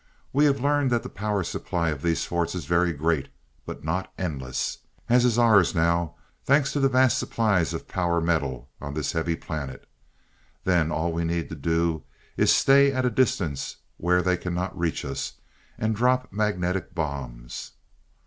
We have learned that the power supply of these forts is very great but not endless, as is ours now, thanks to the vast supplies of power metal on this heavy planet. Then all we need do is stay at a distance where they cannot reach us and drop magnetic bombs.